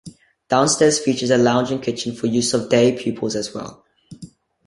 Downstairs features a lounge and kitchen for use of day pupils as well.